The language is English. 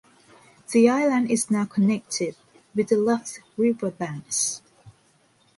The island is now connected with the left river banks.